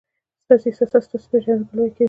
ستاسي احساسات ستاسي پېژندګلوي کوي.